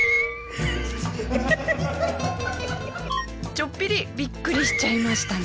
ちょっぴりびっくりしちゃいましたね。